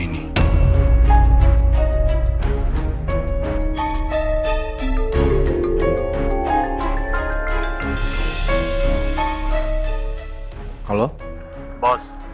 berarti kelompok bawah